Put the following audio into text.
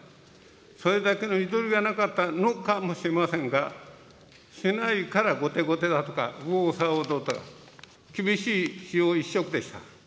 それだけのゆとりがなかったのかもしれませんが、しないから後手後手だとか、右往左往だとか、厳しい評一色でした。